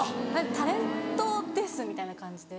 タレントですみたいな感じで。